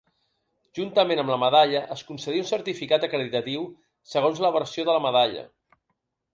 Juntament amb la medalla es concedia un certificat acreditatiu, segons la versió de la medalla.